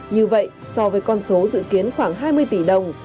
như vậy so với con số dự kiến khoảng hai mươi tỷ đồng